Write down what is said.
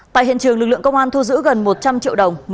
tại hiện trường lực lượng công an thu giữ gần một trăm linh triệu đồng